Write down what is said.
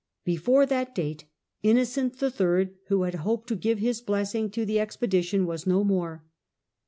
Before that date, Innocent III., who had hoped to give his blessing to the expedition, was no more.